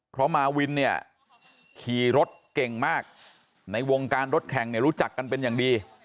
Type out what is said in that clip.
เพราะมาวินเนี่ยขี่รถเก่งมากในวงการรถแข่งเนี่ยรู้จักกันเป็นอย่างดี